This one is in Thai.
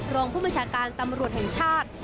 รองผู้บัญชาการตำรวจแห่งชาติ